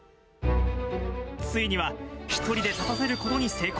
ついには１人で立たせることに成功。